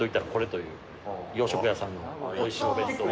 洋食屋さんのおいしいお弁当を。